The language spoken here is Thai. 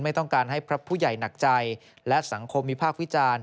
ไม่ต้องการให้พระผู้ใหญ่หนักใจและสังคมวิพากษ์วิจารณ์